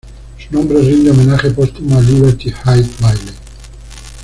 Su nombre rinde homenaje póstumo a Liberty Hyde Bailey.